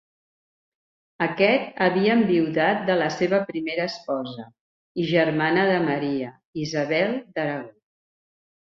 Aquest havia enviudat de la seva primera esposa, i germana de Maria, Isabel d'Aragó.